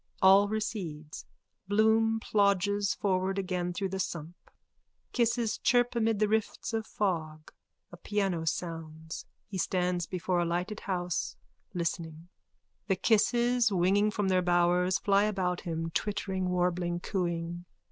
All recedes. Bloom plodges forward again through the sump. Kisses chirp amid the rifts of fog. A piano sounds. He stands before a lighted house, listening. The kisses, winging from their bowers, fly about him, twittering, warbling, cooing.)